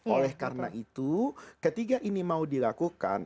oleh karena itu ketika ini mau dilakukan